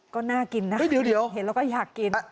ก็น่ากินนะครับเห็นแล้วก็อยากกินนะครับเดี๋ยว